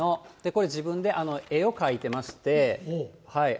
これ、自分で絵を描いてまして。